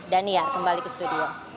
dan niar kembali ke studio